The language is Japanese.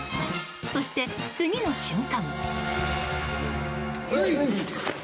そして、次の瞬間。